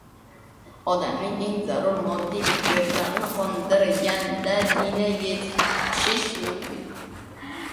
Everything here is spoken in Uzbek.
— odamning eng zarur moddiy ehtiyojlarini qondirgandagina yetishish mumkin.